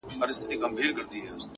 صادق انسان کم تشریح ته اړتیا لري!.